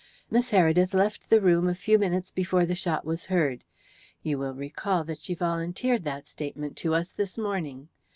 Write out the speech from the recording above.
Miss Heredith left the room a few minutes before the shot was heard. You will recall that she volunteered that statement to us this morning.